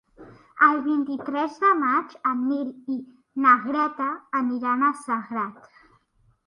El vint-i-tres de maig en Nil i na Greta aniran a Segart.